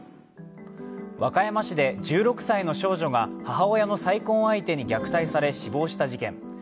和歌山市で１６歳の少女が母親の再婚相手に虐待され死亡した事件。